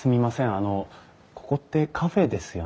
あのここってカフェですよね？